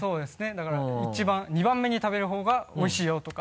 だから１番２番目に食べる方がおいしいよとか。